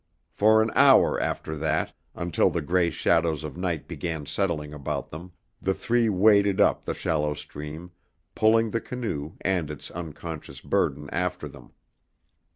For an hour after that, until the gray shadows of night began settling about them, the three waded up the shallow stream, pulling the canoe and its unconscious burden after them.